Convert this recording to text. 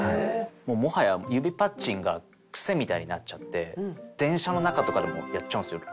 もはや指パッチンが癖みたいになっちゃって電車の中とかでもやっちゃうんですよね。